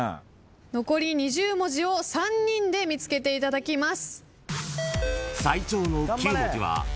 残り２０文字を３人で見つけていただきます。